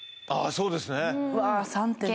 そうです